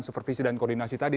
supervisi dan koordinasi tadi